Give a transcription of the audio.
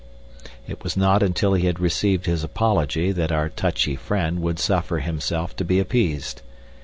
It was not until he had received his apology that our touchy friend would suffer himself to be appeased.